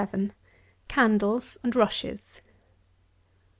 CANDLES AND RUSHES.